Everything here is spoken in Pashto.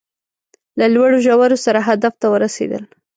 له لوړو ژورو سره هدف ته ورسېدل